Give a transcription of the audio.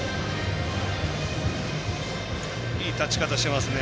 いい立ち方してますね。